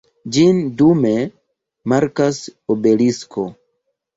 Ĝin dume markas obelisko.